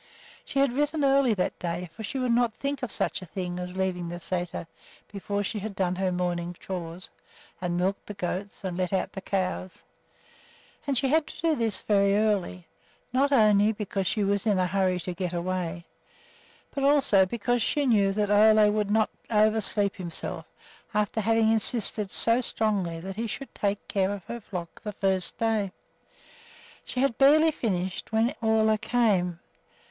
She had risen early that day, for she would not think of such a thing as leaving the sæter before she had done her morning chores, and milked the goats, and let out the cows. And she had had to do this very early, not only because she was in a hurry to get away, but also because she knew that Ole would not oversleep himself after having insisted so strongly that he should take care of her flock the first day. She had barely finished when Ole came.